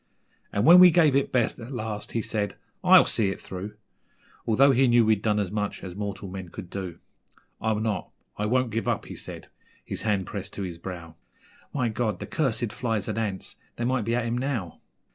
And when we gave it best at last, he said, 'I'LL see it through,' Although he knew we'd done as much as mortal men could do. 'I'll not I won't give up!' he said, his hand pressed to his brow; 'My God! the cursed flies and ants, they might be at him now.